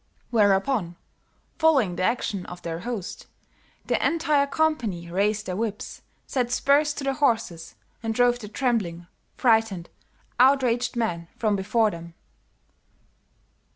"Whereupon, following the action of their host, the entire company raised their whips, set spurs to their horses, and drove the trembling, frightened, outraged man from before them.